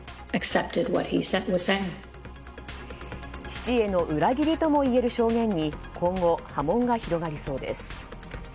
父への裏切りともいえる証言に今後、波紋が広がりそうです。